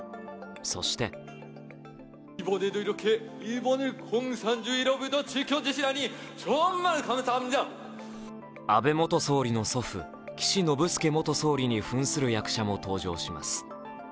そして安倍元総理の祖父・岸信介元総理にふんする役者も登場します。